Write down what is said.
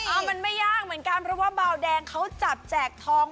เอามันไม่ยากเหมือนกันเพราะว่าเบาแดงเขาจับแจกทอง